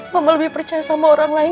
mama lebih percaya sama orang lain